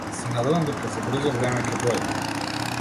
Се надевам дека за брзо време ќе дојдам.